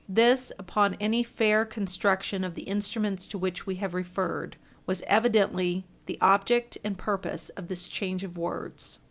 This, upon any fair construction of the instruments to which we have referred, was evidently the object and purpose of this change of words.